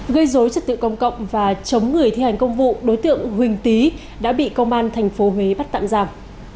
gây dối trật tự công cộng và chống người thi hành công vụ đối tượng huỳnh tý đã bị công an tp huế bắt tạm giảm